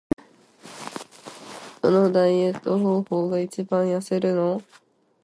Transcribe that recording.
どのダイエット方法が一番痩せるの？